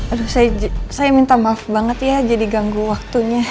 aduh saya minta maaf banget ya jadi ganggu waktunya